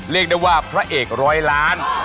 เรียกได้ว่าพระเอกร้อยล้าน